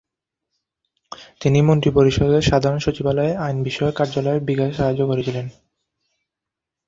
তিনি মন্ত্রিপরিষদের সাধারণ সচিবালয়ে আইন বিষয়ক কার্যালয়ের বিকাশে সহায়তা করেছিলেন।